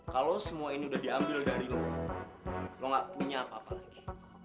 kalau semua ini udah diambil darimu lo gak punya apa apa lagi